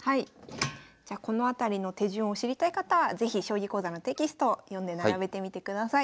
じゃこの辺りの手順を知りたい方は是非「将棋講座」のテキストを読んで並べてみてください。